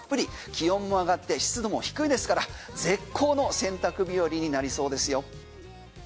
気温も上がって湿度も低いですから絶好の洗濯日和になりそうです。